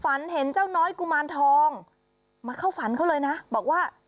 ฝันเห็นเจ้าน้อยกุมารทองมาเข้าฝันเขาเลยนะบอกว่า